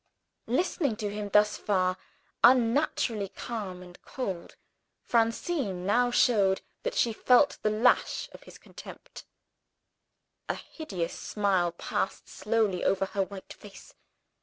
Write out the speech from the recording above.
Listening to him thus far, unnaturally calm and cold, Francine now showed that she felt the lash of his contempt. A hideous smile passed slowly over her white face.